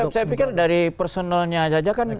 saya pikir dari personalnya saja kan